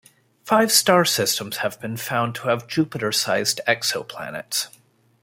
Five star systems have been found to have Jupiter-sized exoplanets.